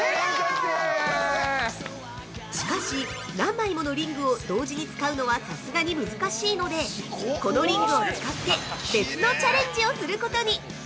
しかし、何枚ものリングを同時に使うのはさすがに難しいのでこのリングを使って、別のチャレンジをすることに。